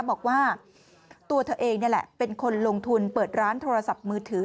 บอกว่าตัวเธอเองนี่แหละเป็นคนลงทุนเปิดร้านโทรศัพท์มือถือ